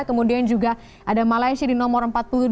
kemudian juga ada malaysia di nomor empat puluh dua